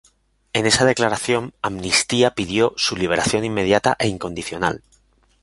En esa declaración, Amnistía pidió "su liberación inmediata e incondicional".